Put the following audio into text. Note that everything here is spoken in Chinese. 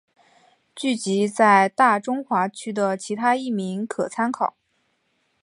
剧集在大中华区的其他译名可参考。